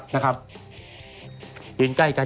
พี่แดงก็พอสัมพันธ์พูดเลยนะครับ